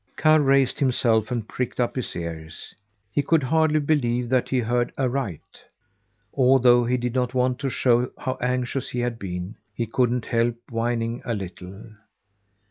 Karr raised himself and pricked up his ears. He could hardly believe that he heard aright. Although he did not want to show how anxious he had been, he couldn't help whining a little.